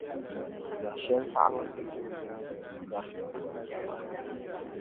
Biɛhi shɛli paɣaba ni mali bɛ sunsuuni gari din waligiri ba.